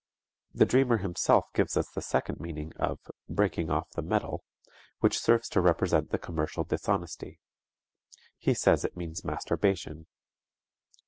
The dreamer himself gives us the second meaning of "breaking off the metal," which serves to represent the commercial dishonesty. He says it means masturbation.